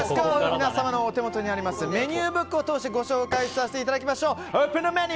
皆様のお手元にあるメニューブックを通してご紹介させていただきましょう。